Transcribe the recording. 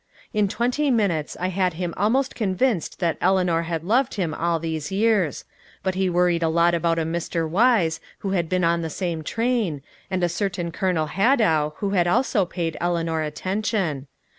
In twenty minutes I had him almost convinced that Eleanor had loved him all these years. But he worried a lot about a Mr. Wise who had been on the same train, and a certain Colonel Hadow who had also paid Eleanor attention.